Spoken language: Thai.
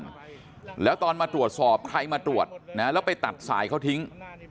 แล้วตอนมาตรวจสอบใครมาตรวจนะแล้วไปตัดสายเขาทิ้ง